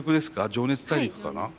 「情熱大陸」かな？